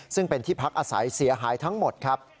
ซึ่งเป็นที่พักอาศัยเสียหายทั้งหมดครับ